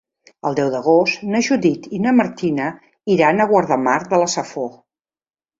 El deu d'agost na Judit i na Martina iran a Guardamar de la Safor.